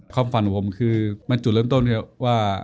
ความฝันของผมคือมันจุดเริ่มต้นครับว่า